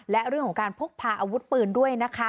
และเรื่องของการพกพาอาวุธปืนด้วยนะคะ